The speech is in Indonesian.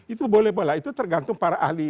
itu boleh boleh itu tergantung para ahli